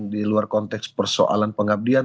di luar konteks persoalan pengabdian